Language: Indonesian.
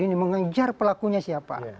ini mengejar pelakunya siapa